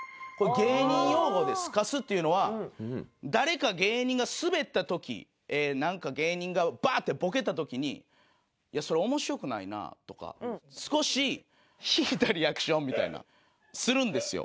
芸人用語で「スカす」っていうのは誰か芸人がスベった時なんか芸人がバーッてボケた時に「いやそれ面白くないな」とか少し引いたリアクションみたいなするんですよ。